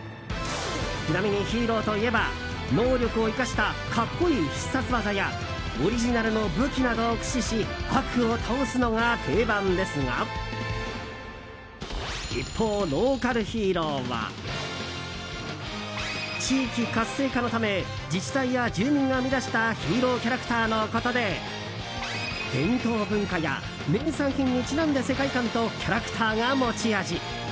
ちなみにヒーローといえば能力を生かした格好いい必殺技やオリジナルの武器などを駆使し悪を倒すのが定番ですが一方、ローカルヒーローは地域活性化のため自治体や住民が生み出したヒーローキャラクターのことで伝統文化や名産品にちなんだ世界観とキャラクターが持ち味。